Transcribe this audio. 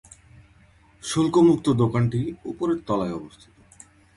শুল্কমুক্ত দোকানটি উপরের তলায় অবস্থিত।